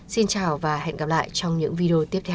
xin chào và hẹn gặp lại trong những video tiếp theo